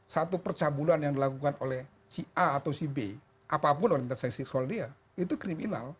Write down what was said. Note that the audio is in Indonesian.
satu percabulan yang dilakukan oleh si a atau si b apapun orientasi seksual dia itu kriminal